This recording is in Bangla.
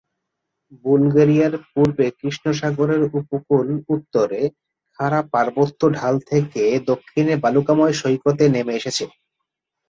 বুলগেরিয়ার পূর্বে কৃষ্ণ সাগরের উপকূল উত্তরে খাড়া পার্বত্য ঢাল থেকে দক্ষিণে বালুকাময় সৈকতে নেমে এসেছে।